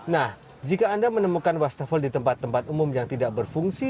nah jika anda menemukan wastafel di tempat tempat umum yang tidak berfungsi